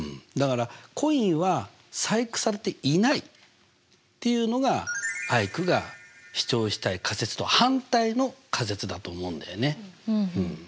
だから「コインは細工されていない」っていうのがアイクが主張したい仮説と反対の仮説だと思うんだよね。